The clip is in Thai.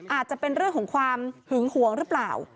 อาจจะเป็นเรื่องของความหึงหวงหรือเปล่า